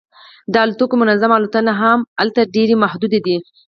د الوتکو منظم الوتنې هم هلته ډیرې محدودې دي